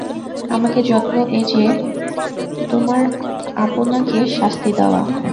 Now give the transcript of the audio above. আমাকে যত্ন এ যে তোমার আপনাকে শাস্তি দেওয়া।